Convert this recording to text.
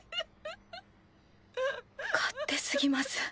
勝手すぎます。